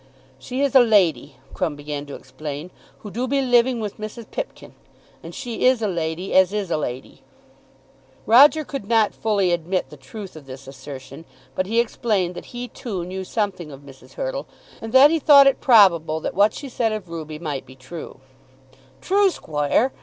"She is a lady," Crumb began to explain, "who do be living with Mrs. Pipkin; and she is a lady as is a lady." Roger could not fully admit the truth of this assertion; but he explained that he, too, knew something of Mrs. Hurtle, and that he thought it probable that what she said of Ruby might be true. "True, squoire!"